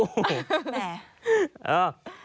แหม